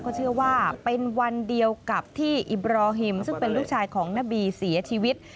ก็เชื่อว่าเป็นวันเดียวกับที่อิบราฮิมซึ่งเป็นลูกชายของนบีเสียชีวิต